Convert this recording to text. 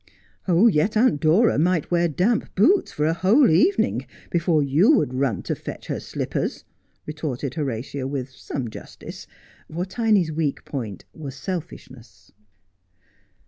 ' Yet Aunt Dora might wear damp boots for a whole evening before you would run to fetch her slippers,' retorted Horatia with some justice, for Tiny's weak point was selfishness.